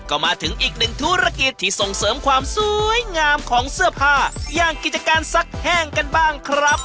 ก็มาถึงอีกหนึ่งธุรกิจที่ส่งเสริมความสวยงามของเสื้อผ้าอย่างกิจการซักแห้งกันบ้างครับ